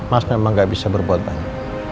mas memang gak bisa berbuat banyak